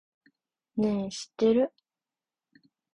ねぇ、知ってる？